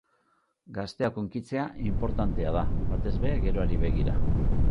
Gazteak hunkitzea inportantea da, batez ere geroari begira.